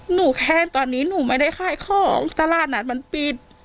แค่ตอนนี้หนูไม่ได้ขายของตลาดนัดมันปิด